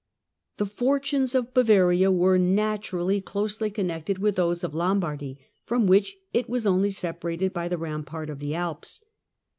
The fortunes of Bavaria were naturally closely connected with those of Lombardy, from which it was only separ ated by the rampart of the Alps.